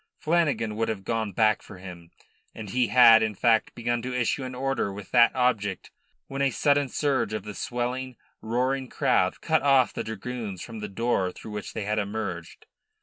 Flanagan would have gone back for him, and he had in fact begun to issue an order with that object when a sudden surge of the swelling, roaring crowd cut off the dragoons from the door through which they had emerged.